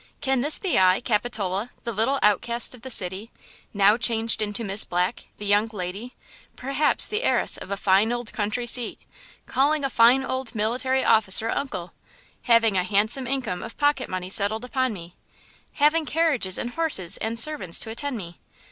Can this be I, Capitola, the little outcast of the city, now changed into Miss Black, the young lady, perhaps the heiress of a fine old country seat; calling a fine old military officer uncle; having a handsome income of pocket money settled upon me; having carriages and horses and servants to attend me?